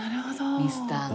ミスターの。